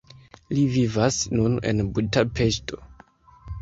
Li vivas nun en Budapeŝto.